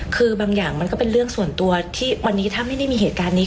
คือบางอย่างมันก็เป็นเรื่องส่วนตัวที่วันนี้ถ้าไม่ได้มีเหตุการณ์นี้